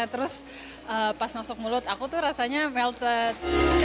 terus pas masuk mulut aku tuh rasanya melted